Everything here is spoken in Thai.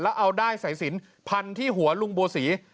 แล้วเอาได้สายสินพันว์ที่หัวลุงบูศี